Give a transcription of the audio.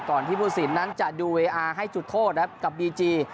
ที่ผู้สินนั้นจะดูเวอาร์ให้จุดโทษนะครับกับบีจี